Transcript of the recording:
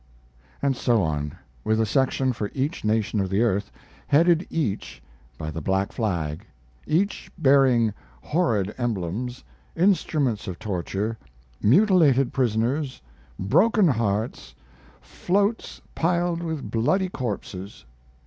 And so on, with a section for each nation of the earth, headed each by the black flag, each bearing horrid emblems, instruments of torture, mutilated prisoners, broken hearts, floats piled with bloody corpses.